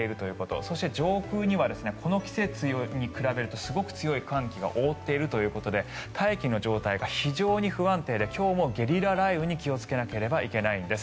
そして上空にはこの季節に比べるとすごく強い寒気が覆っているということで大気の状態が非常に不安定で今日もゲリラ雷雨に気をつけなければいけないんです。